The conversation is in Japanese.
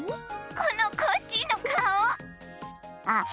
このコッシーのかお！あっ。